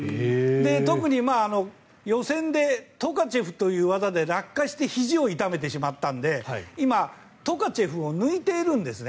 特に予選でトカチェフという技で落下してひじを痛めてしまったので今、トカチェフを抜いているんですね。